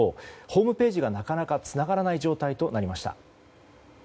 ホームページが、なかなかつながらない状態なりました。